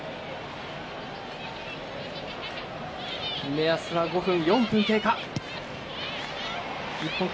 目安は５分４分経過。